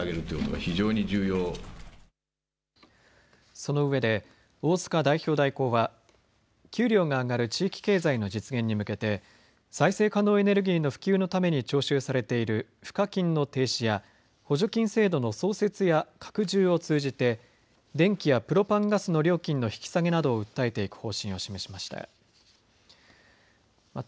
そのうえで大塚代表代行は給料が上がる地域経済の実現に向けて再生可能エネルギーの普及のために徴収されている賦課金の停止や補助金制度の創設や拡充を通じて電気やプロパンガスの料金の引き下げなどを訴えていく方針を示しました。